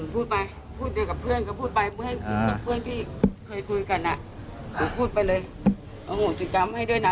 พูดไปกับเพื่อนที่เคยคุยบนสถานงน้ำผมพูดไปจะทำให้ด้วยนะ